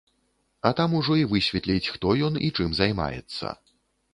А там ужо і высветліць, хто ён і чым займаецца.